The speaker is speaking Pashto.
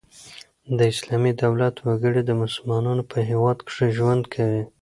د اسلامي دولت وګړي د مسلمانانو په هيواد کښي ژوند کوي.